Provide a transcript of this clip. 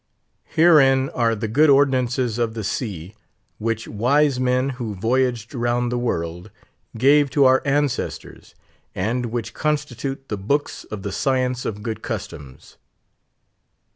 "HEREIN ARE THE GOOD ORDINANCES OF THE SEA, WHICH WISE MEN, WHO VOYAGED ROUND THE WORLD, GAVE TO OUR ANCESTORS, AND WHICH CONSTITUTE THE BOOKS OF THE SCIENCE OF GOOD CUSTOMS."